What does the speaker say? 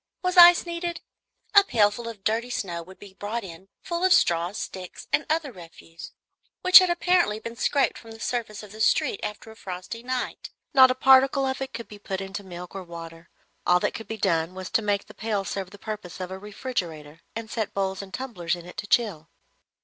Was ice needed? A pailful of dirty snow would be brought in, full of straws, sticks, and other refuse, which had apparently been scraped from the surface of the street after a frosty night. Not a particle of it could be put into milk or water; all that could be done was to make the pail serve the purpose of a refrigerator, and set bowls and tumblers in it to chill.